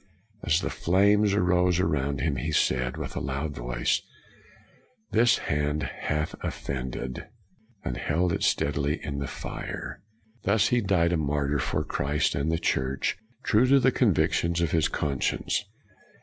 As the flames arose around him, he said, with a loud voice, " This hand hath offended," and held it steadily in the fire. Thus he died a martyr for Christ and the Church, true to the convictions of his conscience.